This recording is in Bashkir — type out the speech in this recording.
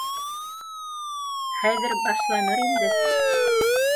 Хәҙер башланыр инде